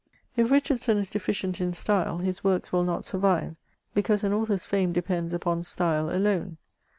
If Richardson is deficient in style, his works will not survive, because an author's fame depends upon style alone.